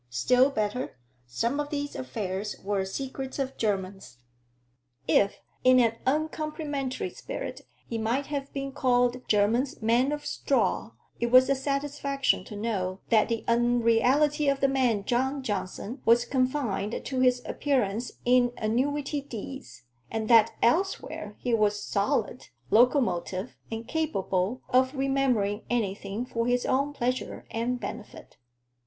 Still better some of these affairs were secrets of Jermyn's. If in an uncomplimentary spirit he might have been called Jermyn's "man of straw," it was a satisfaction to know that the unreality of the man John Johnson was confined to his appearance in annuity deeds, and that elsewhere he was solid, locomotive, and capable of remembering anything for his own pleasure and benefit.